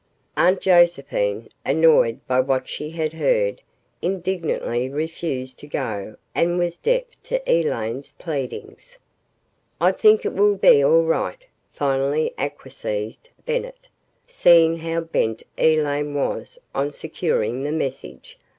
Aunt Josephine, annoyed by what she had heard, indignantly refused to go and was deaf to all Elaine's pleadings. "I think it will be all right," finally acquiesced Bennett, seeing how bent Elaine was on securing the message.